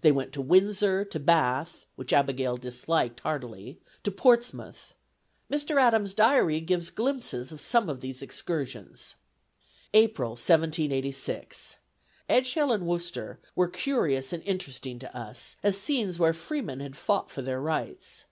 They went to Windsor, to Bath (which Abigail disliked heartily), to Portsmouth. Mr. Adams' diary gives glimpses of some of these excursions: "April, 1786. Edgehill and Worcester were curious and interesting to us, as scenes where freemen had fought for their rights.